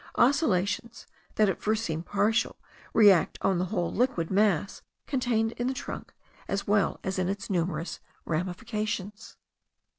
Oscillations, that at first seem partial, react on the whole liquid mass contained in the trunk as well as in its numerous ramifications.